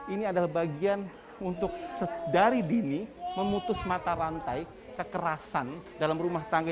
ini adalah bagian untuk sedari dini memutus mata rantai kekerasan dalam rumah tangga